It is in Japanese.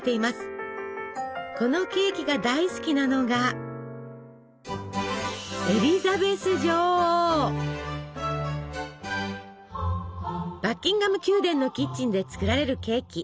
このケーキが大好きなのがバッキンガム宮殿のキッチンで作られるケーキ。